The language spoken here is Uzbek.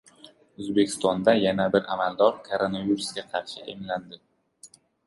O‘zbekistonda yana bir amaldor koronavirusga qarshi emlandi